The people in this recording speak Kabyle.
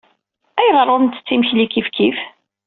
Ayɣer ur nttett imekli kifkif?